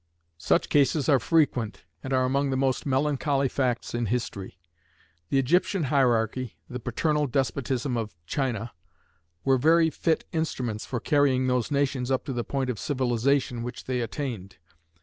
Such cases are frequent, and are among the most melancholy facts in history. The Egyptian hierarchy, the paternal despotism of China, were very fit instruments for carrying those nations up to the point of civilization which they attained.